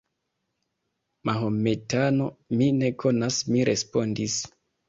Mahometano, mi ne konas, mi respondis.